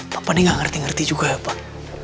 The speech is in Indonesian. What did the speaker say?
papa ini nggak ngerti ngerti juga ya pak